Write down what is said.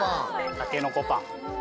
たけのこパン。